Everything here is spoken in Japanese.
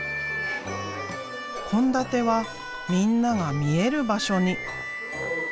献立はみんなが見える場所に。